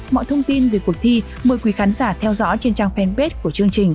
mọi thông tin về cuộc thi mời quý khán giả theo dõi trên trang fanpage của chương trình